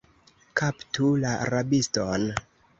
Kaptu la rabiston!